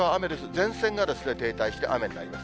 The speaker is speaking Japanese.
前線が停滞して雨になります。